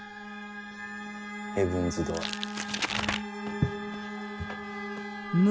ヘブンズ・ドアー。